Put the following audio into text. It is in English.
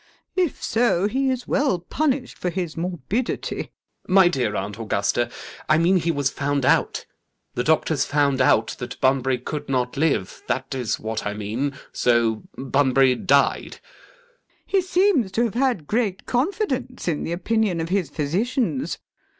If so, he is well punished for his morbidity. ALGERNON. My dear Aunt Augusta, I mean he was found out! The doctors found out that Bunbury could not live, that is what I mean—so Bunbury died. LADY BRACKNELL. He seems to have had great confidence in the opinion of his physicians.